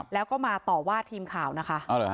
แล้วก็มาต่อว่าทีมข่าวนะคะ